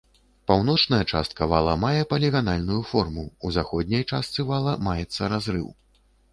Паўночная частка вала мае паліганальную форму, у заходняй частцы вала маецца разрыў.